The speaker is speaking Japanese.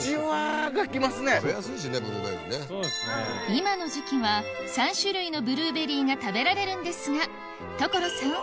今の時季は３種類のブルーベリーが食べられるんですが所さん